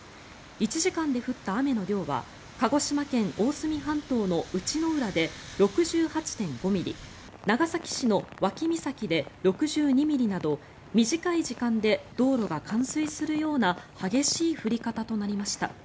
１時間で降った雨の量は鹿児島県・大隅半島の内之浦で６８．５ミリ長崎市の脇岬で６２ミリなど短い時間で道路が冠水するような激しい降り方となりました。